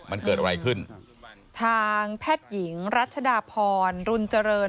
มันเกิดอะไรขึ้นทางแพทย์หญิงรัชดาพรรุนเจริญ